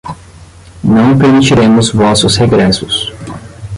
Não permitiremos vossos regressos